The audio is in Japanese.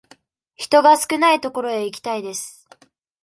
人が少ない所へ行きたいです。